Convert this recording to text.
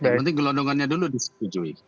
yang penting gelondongannya dulu disetujui